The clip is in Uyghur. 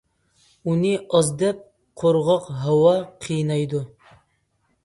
ئۇنى ئاز دەپ قۇرغاق ھاۋا قىينايدۇ.